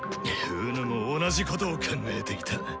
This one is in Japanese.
己も同じことを考えていた。